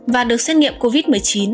và được xét nghiệm covid một mươi chín